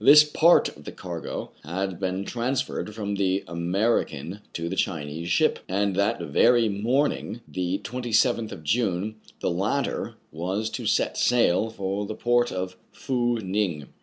This part of the cargo had been transferred from the American to the Chinese ship ; and that very morning, the 27th of June, the latter was to set sail for the port of Fou Ning.